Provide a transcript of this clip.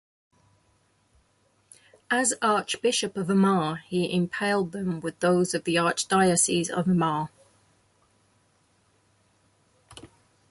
As Archbishop of Armagh he impaled them with those of the Archdiocese of Armagh.